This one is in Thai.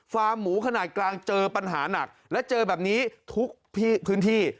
หมูขนาดกลางเจอปัญหาหนักและเจอแบบนี้ทุกพื้นที่